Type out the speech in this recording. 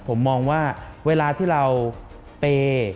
ผมมองว่าเวลาที่เราเปย์